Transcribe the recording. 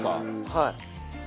はい。